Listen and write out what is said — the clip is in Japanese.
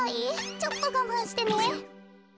ちょっとがまんしてね。